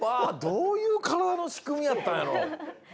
どういうからだのしくみやったんやろ。